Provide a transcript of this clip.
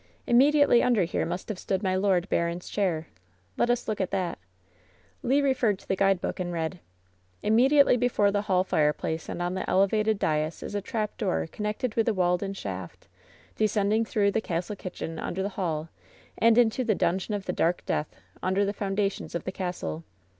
Immediately under here must have stood my lord baron's chair. Let us look at that'' Le referred to the guidebook, and read: " ^Immediately before the hall fireplace and on the elevated dais is a trapdoor connected with a walled in shaft, descending through the castle kitchen under the *hall, and into the ^Dungeon of the Dark Death,' under the foundations of the castle.